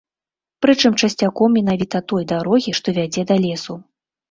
Прычым часцяком менавіта той дарогі, што вядзе да лесу.